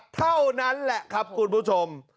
เท่านั้นแหละครับคุณผู้ชม